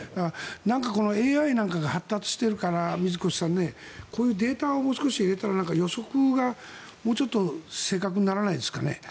なんか、ＡＩなんかが発達しているから水越さん、こういうデータをもう少し入れたら、予測がもうちょっと正確にならないですかね。